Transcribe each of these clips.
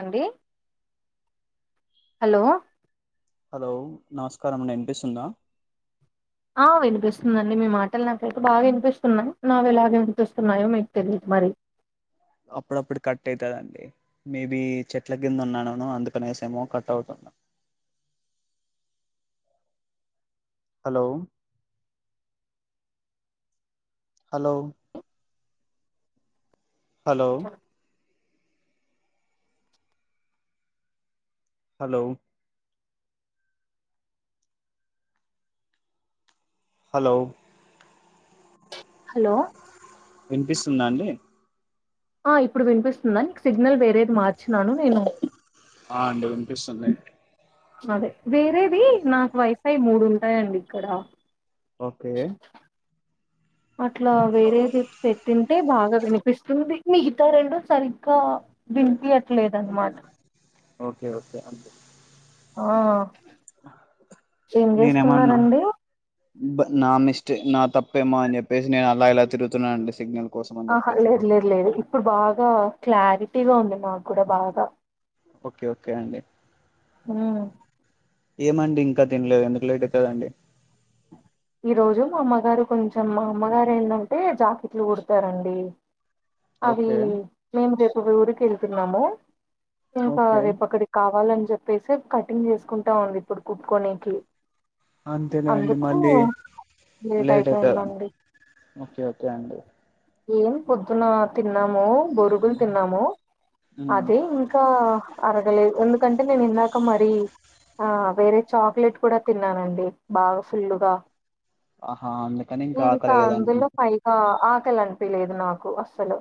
అండి hello hello నమస్కారం అండి ఇనిపిస్తుందా ఆ వినిపిస్తుందిండి మీ మాటలు నాకైతే బాగా వినిపిస్తున్నాయి. నావి ఎలాగ వినిపిస్తున్నాయో మీకు తెలియదు మరి. అప్పుడప్పుడు కట్ అయితాదండి మేబి చెట్ల కింద ఉన్నానునో అందుకనేసి ఏమో కట్ అవుతున్న hello hello hello hello hello hello వినిపిస్తుందండి అండి ఇప్పుడు వినిపిస్తుందా సిగ్నల్ వేరేది మార్చినను నేను ఆ అండి వినిపిస్తుంది అదే వేరేది నాకు వైఫై మూడు ఉంటాయండి ఇక్కడ ఓకే అట్లా వేరేది పెట్టింటే బాగా వినిపిస్తుంది మిగతా రెండడు సరిగ్గా దంపియట్లేదు అన్నమాట ఓకే ఓకే అ ఆ ఏం నేనేమన్నా చేస్తున్నారంండి నా మిస్టేక్ నా తప్పేమో అని చెప్పేసి నేను అలా ఇలా తిరుగుతున్నానుండి సిగ్నల్ కోసం అని ఆహా చెప్పేసి లేదు లేదు లేదు ఇప్పుడు బాగా క్లారిటీగా ఉంది మాకు కూడా బాగా ఓకే ఓకే అండి ఆ ఏమండి ఇంకా తినలేదు అందు లేట్ కదండి ఈ రోజు మా అమ్మగారు కొంచెం మా అమ్మగారు ఏంటంటే జాకెట్లు కుడతారండి అవి ఓకే మేము రేపు ఊరికి వెళ్తున్నాము ఇంకా ఓకే రేపు అక్కడికి కావాలని చెప్పేసి కటింగ్ చేసుకుంటా ఉంది ఇప్పుడు కుప్పుకోొనేకి అంతేనే అండి మ అీ లేట్ అవుతుంద ఓకే ఓకే అండి ఏం పొద్దున తి తిన్నాము బొరుగులు తిన్నాము అదే ఇంకా అర దు ఎందుకంటే నేను ఇందాక మర ఆ వేరే చాక్లెట్ కూడా తిన్నానండి బాగా ఫుల్ గా ఆహా అందుకని ఇంకా ఆకలియ్యదండి అందులో పైగా ఆకలి అంటే వేయదు నాకు అస్సలు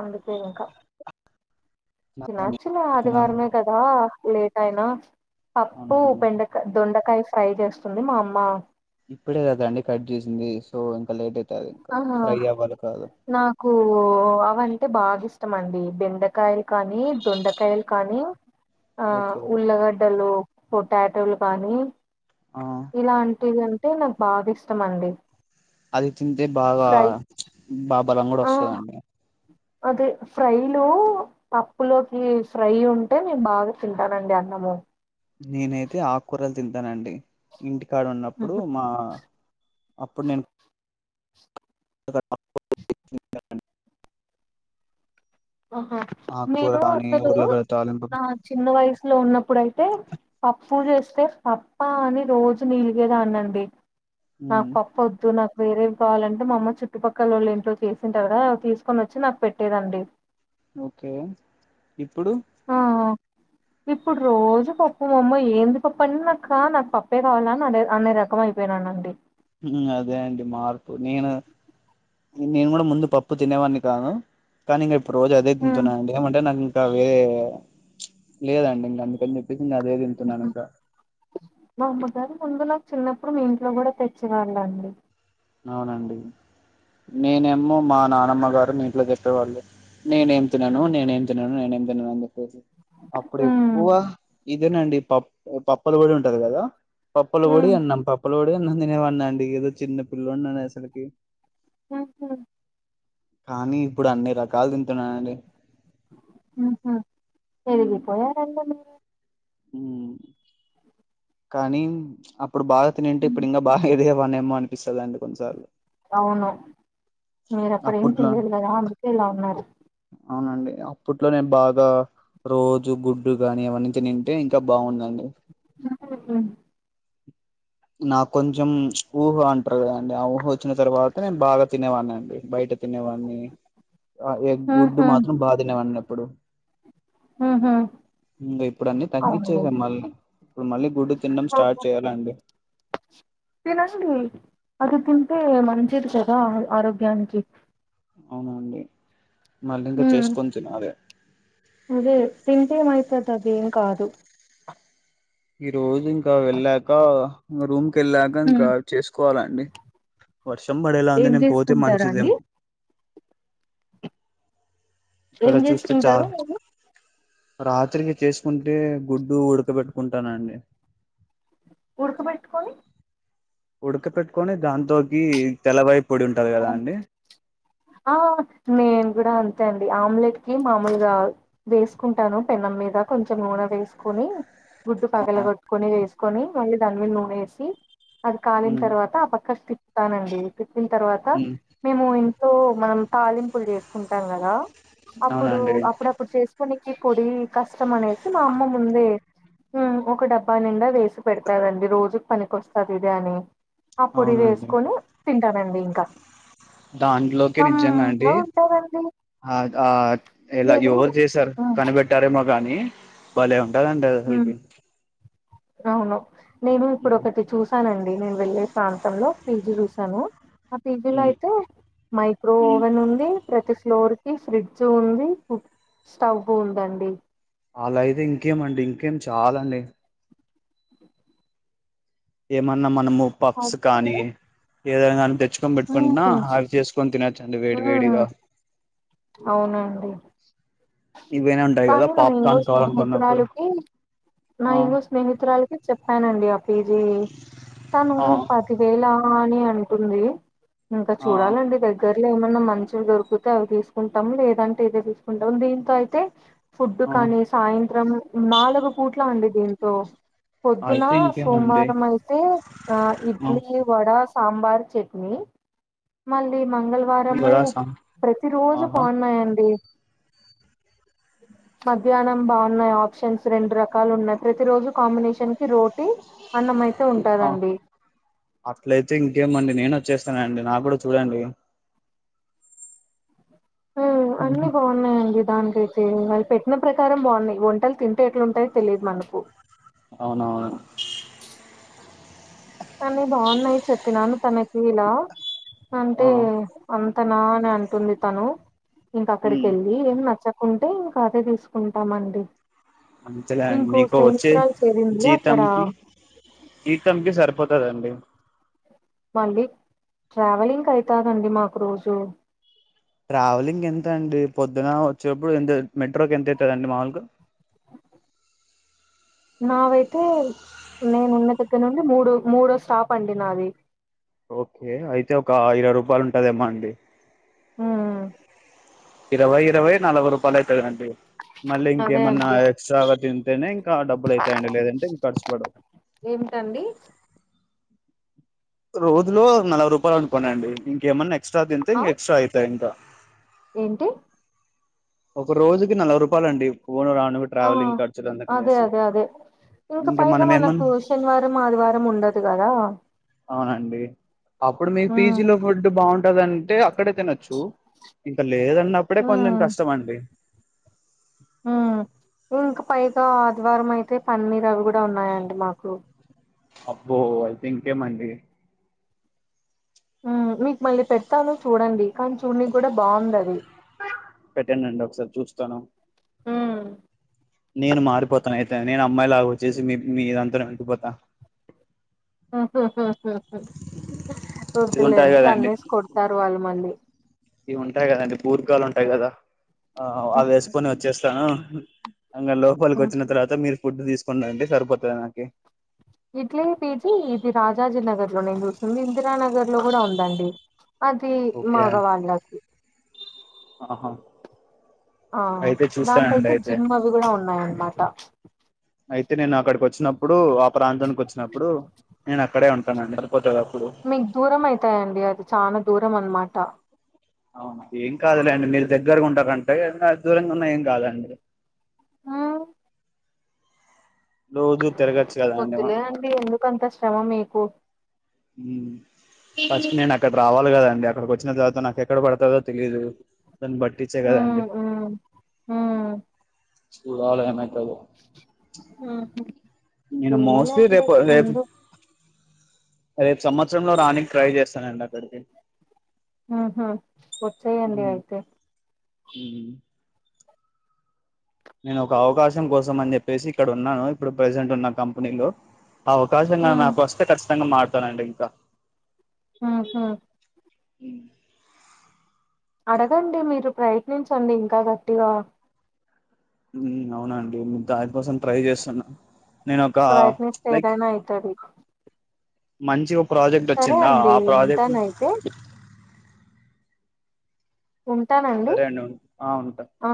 అందుకే ఇంకా నిన్న తినాలండి యాక్చువల్లీ అది తినాలండి వారమే కదా లేట్ అయినా పప్పు అవునండి బెండకాయ దొండకాయ ఫ్రై చేస్తుంది మా అమ్మ ఇప్పుడే కదా అండి కట్ చేసింది సో లేట్ అయితది ఇంకా ఆహా ఫ్రై అవ్వాలి కాదు నాకు అవి అంటే బాగా ఇష్టమండి బెండకాయలు కానీ దొండకాయలు కానీ ఆ ఓకే ఉల్లగడ్డలు పొటాటోలు కానీ ఆ ఇలాంటివి అంటే నాకు బాగా ఇష్టం అండి అది తింటే బాగా ఫ్రై బా బలం కూడా ఆ వస్తదండి అదే ఫ్రైలు పప్పులోకి కి ఫ్రై ఉంటే నేను బాగా తింటానండి అన్నం అవుో నేనైతే ఆకు కూరలు తింటానండి ఇంటి కాడ ఉన్నప్పుడు ఆహా మా అప్పుడు నేను [unintelligible] ఆహా ఆకుకూర నేను గాని అసలు ఉర్లగడ్డ తాలింపు నా చిన్న వయసు లో ఉన్నప్పుడుయితే పప్పు చేస్తే పప్పా అని రోజు నీలిగే దానండి నాకు మ్మ్. పప్పు వద్దు నాకు వేరే ఏం కావాలంటే మా అమ్మ చుట్టుపక్కల ఓళ్ళు ఇంట్లో చేసింటారు కదా తీసుకొని వచ్చి నాకు పెట్టేదండి ఓకే ఇప్పుడు ఆ ఇప్పుడు రోజు పప్పు మామ్మ ఏంది పప్ప అన్నక నాకు పప్పే కావాలని అ అనే రకమ అయిపోయినాను అండి అదే అంటడి మార్పు నేను నేను కూడా ముందు పప్పు తినేవాడిని కాను కానీ ఇంగా రోజు అదే ఉమ్ తింటున్నాండి ఏమంటే నాకు ఇంకా వేరే లేదండి ఇంక అందుకని చెప్పి ఇంగ అదే తింటున్నాను ఇంకా మా అమ్మగారు ముందు నాకు చిన్నప్పుడు మీ ఇంట్లో కూడా తెచ్చి వాళ్ళండి అవునండి నేనేమో మా నానమ్మ గారు మీ ఇంట్లో చెప్పేవాళ్ళు నేనేం తినను నేనేం తినను నేనేం తినను అని చెప్పేసి అప్పుడే ఉమ్ ఎక్కువ ఇదేనండి పప్పు పప్పల పొడి ఉంటది కదా పప్పల పొడి ఉమ్ అన్నాం పప్పల పొడి అన్నాం నేనవన్నా అండి ఏదో చిన్న పిల్లోడ్ని అనేసరికి ఉ హు కానీ ఇప్పుడు అన్ని రకాలు తింటున్నానండి ఉ హూ ఉమ్ ఎదిగిపోయారు అందరూ కానీ అప్పుడు బాగా తినంటే హ్మ్. ఇప్పుడు ఇంకా బాగా వన్ ఏమో కొన్నిసార్లు అవును మీరు అప్పుడ ఏం అప్పట్లో తలియదు కదా అందుకే ఇలా ఉన్నారు అవునండి అప్పట్లో నేను బాగా రోజు గుడ్డు గాని అవన్నీ తినే వన్నీ అంటే ఇంకా బాగుందండి ఉ హు నాకు కొంచెం ఊహ అంటారు కదాండి ఆ ఊహ వచ్చిన తర్వాత నేను బాగా తినేవాన్ని అండి బయట తినేవాని ఆ ఎ గుడ్డు ఆహా మాత్రం బాగా తినేవాడి అప్పుడు ఆహా ఇంగ ఇప్పుడు అన్నీ అవును తగ్గించేసాం మళ్ళీ ఇప్పుడు మళ్ళీ గుడ్డు తినడం సో స్టార్ట్ చేయాలండి తినండి అది తింటే మంచిది కదా ఆరోగ్యానికి అవునండి మళ్ళీ ఇంకా ఉమ్, చేసుకోని తినాలే అదే తింటేమైతుందిదేం కాదు ఈ రోజు ఇంకా వెళ్ళాక రూమ్ కెళ్ళాక ఉమ్. ఇంకా చేసుకు కోవాలండి వర్షం పడేలా ఉంది ఏం నేను పోతే చేసుకుంటారా అండి మంచిదేమో ఇక్కడ ఏం చూస్తే చా చేసుకుంటారు మీరు రాత్రికి చేసుకుంటే గుడ్డు ఉడకబెట్టుకుంటానండి. ఉడుకబెట్టుకని ఉడక పెట్టుకొని దాంతోకి తెల ఆ నేన్ కూడా అన్ తే అండి ఆమ్లెట్ కి మామూలుగా వేసుకుంటాను పెనం మీద కొంచెం నూనె వేసుకొని గుడ్డు పగల కొట్టుకొని వేసుకొని మళ్ళీ దాని మీద నూన వేసి అది కాలిన ఉమ్ తర్వాత ఆ పక్కకి తిప్తానండి తిప్పిన తర్వాత ఉమ్ మేము ఇంట్లో మనం తాలింపులు చేసుకుంటాం కదా అప్పుడు అవునండి అప్పుడు అప్పుడపుడు చేసు ఈ పొడి కష్టం అనేసి మా అమ్మ ముందే ఉమ్ ఒక డబ్బా నిండా వేసి పెడతారండి రోజుకి పనికిస్తది ఇదే అని ఆ పొడి అవునండి వేసుకొని తింటానండి ఇంకా దాంట్లోకే నిజంగా అండి కమ్మగా ఉంటదండి అ ఆ ఎలా నేను ఎవర్ చేసార్ ఆ! కనిబెట్టార కానీ భలే ఉంటదండి హ్మ్. అసల్కి అవును నేను ఇప్పుడు ఒకటి చూసానండి నేను వెళ్లేే ప్రాంతంలో పీజీ చూసాను ఆ పిజీలో ఉమ్ అయితే మైక్రో ఉమ్. ఓవెన్ ఉంది ప్రతి ఫ్లోర్ కి ఫ్రిడ్జ్ ఉంది కు స్టవ్ ఉందండి అలా అయితే ఇంకేమండి ఇంకేం చాలండి ఏమన్నామ్ మ మనము పప్స్ అయితే కానీ ఏదనా కాని తెచ్చుకొని పెట్టుకుంటున్నా హ్మ్. అవి చేసుకొని తిన తినొచ్చు అండి హ్మ్. వేడివేడిగా అవునండి ఇవైనా ఉంటాయి కదా కానీ మన ఇంకో పాప్కార్న్ కావాలనుకున్నప్పుడు స్నేహితురాలికి నా ఆ ఇంగో స్నేహితురాాలకి చెప్పానండి అ పిజీ తను ఆ పదివేలా అని అంటుంది ఇంకా ఆ చూడాలండి దగ్గరలో ఏమైన్నా మంచిలు దొరికుతే అవి తీసుకుంటాము లేదంటే ఇదే తీసుకుంటాం దీ నీలో అయితే ఫుడ్ ఆ కానీ సాయంత్రం నాలుగు పూట్ల అండి దీంతో పొద్దున అయితే ఇంకేమండి సోమవారం అయితే ఆ ఆ ఇడ్లీ, వడ సాంబార్ చట్నీ మళ్ళీ మంగళవారము బరాసా ప్రతి రోజు ఆహా బాగున్నాయండి మధ్యాహ్నం బాగున్నాయి ఆప్షన్స్ రెండు రకాలు ఉన్నాయి ప్రతిరోజు కాంబినేషన్ రోటీ అన్నము అయితే ఆ ఉంటదండి అట్లయితే ఇంకేమండి నేను వచ్చేస్తానండి నా కూడా చూడండి ఉమ్ అన్ని బాగున్నాయండి దానికైతే పెట్టిన ప్రకారం బాగున్నాయి వంటలు తింటే ఎట్లుంటాయో తెలియదు మనకు అవునవును అన్ని బాగున్నాయి చెప్పినాను తనకి ఇలా ఆ అంటే అ అతనా అని అంటుంది తను ఇంక అక్కడికి ఉమ్ ఎళ్ళి ఏం నచ్చ కుంటే ఇంకా అదే తీసుకుంటామండి అంతేలే అండి ఇంకో మీకు వచ్చే స్నేహితురాలు చేరింది అక్కడ. జీతంకి జీతంకి సరిపో తదండి మళ్ళీ ట్రావెలింగ్ అయితదండి మాకు రోజు ట్రావెలింగ్ ఎంత అండి పొద్దున వచ్చేప్పుడు ఎంత మెట్రోకి ఎంత అయితదండి మాములుగ నావైతే నేను ఉన్న దగ్గర నుండి మూడో మూడో స్టాప్ అండి నాది ఓకే అయితే ఒక ఇరవై రూపాయలు ఉంటదేమో అండి హ్మ్. ఇరవై ఇరవై నలభై రూపాలు అయితదండి మళ్ళీ అదే ఇంకేమన్నా అండి. ఎక్స్ట్రాగ తింటేనే ఇంకా డబ్బులు అయితయండి లేదంటే ఇంక ఖర్చుపడవ్ ఏమిటండి రోజులో నలభై రూపాలు అనుకోండి అండి ఇంకేమన్నా ఎక్స్ట్రా తింటే ఆ? ఇంకా ఎక్స్ట్రా అయితయి ఇంకా ఏంటి ఒక రోజుకి నలభై రూపాలు అండి పోను రాను ఆ ట్రావెలింగ్ ఖర్చులు అదే అందుకనేసి అదే అదే ఇంకా పైగా మనం మనకు ఏమన్నా శనివారం ఆదివారం ఉండదు కదా అవునండి అప్పుడు మీ పీజీలో ఉమ్ ఫుడ్ బావుంటదంటే అక్కడే తినొచ్చు ఇంకా లేదన్నప్పుడే కొంచెం కష్టమండి ఆ ఇంకా పైగా ఆదివారం అయితే పన్నీర్ అవి గూడా ఉన్నాయండి మాకు అబ్బో అయితే ఇంకేమండి ఆ మీకు మళ్ళీ పెడతాను చూడండి కానీ చూడ్ని కూడా బావుంది అది పెట్టండి ఒకసారి చూస్తాను ఆ నేను మారిపోతా అయితే నేను అమ్మాయి లాగా వచ్చేసి మీ మీదంతోనే ఉండిపోతా ఇది ఉంటాయి వద్దులేండి కదండి తన్నేసి కొడతారు వాళ్ళు మళ్ళీ ఇవి ఉంటాయి కదండి పూర్గాలు ఉంటాయి కదా ఆ అవి వేసుకొని వచ్చేస్తాను అంగ లోపలికి వచ్చిన ఉహు తర్వాత మీరు ఫుడ్ తీసుకుని రండి సరిపోతది నాకి ఇట్లే పీజీ ఇది రాజాజీ నగర్లో నేను చూసింది ఇందిరానగర్లో కూడా ఉందండి అది ఓకే మగ వాళ్ళకి ఆహా ఆ అయితే దాంతో చూస్తానండి అయితే జిమ్ అవి కూడా ఉన్నాయన్మాట అయితే నేను అక్కడికి వచ్చినప్పుడు ఆ ప్రాంతానికి వచ్చినప్పుడు నేను అక్కడే ఉంటానండి సరిపోతది అప్పుడు మీకు దూరం అయితాయండి అది చాలా దూరం అన్నమాట అవున ఏం కాదులేండి మీరు దగ్గరగా ఉంటారంటే ఏం కాదు దూరంగా ఉన్నా ఏం కాదండి ఉమ్ రోజు తిరగచ్చు కదా వద్దులే అండి ఎందుకు అంత శ్రమ మీకు మ్ ఫస్ట్ నేను అక్కడ రావాలి కదాండి అక్కడికి వచ్చిన తర్వాత నాకు ఎక్కడ పడతదో తెలీదు దాన్ని పట్టించే ఉమ్ కదండి ఉమ్ ఉమ్ ఇవాళ అన్నట్టు ఆహా నేను మోస్ట్లీ రేపు రేపు రేపు సంవత్సరంలో రానికి ట్రై చేస్తానండి అక్కడికి ఆహా వచ్చేయండి అయితే హ్మ్ నేను ఒక అవకాశం కోసం అని చెప్పేసి ఇక్కడ ఉన్నాను ఇప్పుడు ప్రజెంట్ ఉన్న కంపెనీలో అవకాశంగా ఉమ్ నాకు వస్తే ఖచ్చితంగా మారుతానండి ఇంకా ఆ హా ఉం అడగండి మీరు ప్రయత్నించండి ఇంకా గట్టిగా ఉం అవునండి మీకు దానికోసం ట్రై చేస్తున్నా నేను ఒక ప్రయత్నిస్తే లైక్ ఏదైనా అయితది మంచి ఒక ప్రాజెక్ట్ సరే వచ్చిందా అండి ఆ ప్రాజెక్ట్ ఉంటానయితే ఉంటానండి సరే అండి ఉంటా ఆ